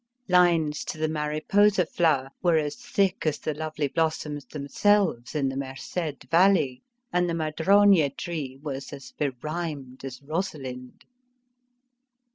Lines to the Mariposa flower were as thick as the lovely blossoms themselves in the Merced Valley, and the Madrone tree was as berhymed as Rosalind.